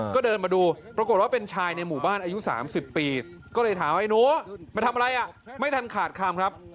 ก็เดินมาดูปรากฏว่าเป็นชายในหมู่บ้านอายุ๓๐ปีก็เลยถามไอ้หนูมาทำอะไรอ่ะไม่ทันขาดคำครับ